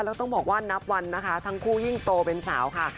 แล้วต้องบอกว่านับวันนะคะทั้งคู่ยิ่งโตเป็นสาวค่ะ